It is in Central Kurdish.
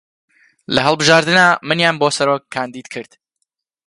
لە هەڵبژاردنا منیان بۆ سەرۆک کاندید کرد